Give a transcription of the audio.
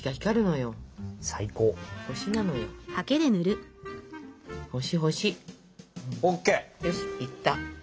よしいった。